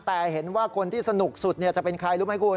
แต่เห็นว่าคนที่สนุกสุดจะเป็นใครรู้ไหมคุณ